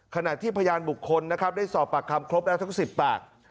ขณะที่พยานบุคคลนะครับได้สอบปากคำครบแล้วทั้ง๑๐ปาก